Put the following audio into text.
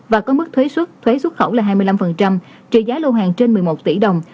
và có mức thuế xuất thuế xuất khẩu là hai mươi năm trị giá lô hàng trên một mươi một tỷ đồng